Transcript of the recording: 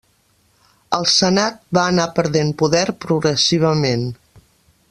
El Senat va anar perdent poder progressivament.